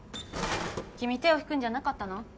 君手を引くんじゃなかったの？